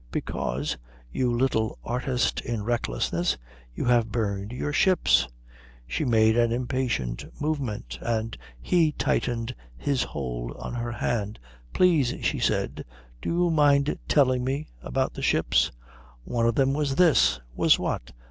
"Because, you little artist in recklessness, you've burned your ships." She made an impatient movement, and he tightened his hold on her hand. "Please," she said, "do you mind telling me about the ships?" "One of them was this." "Was what?"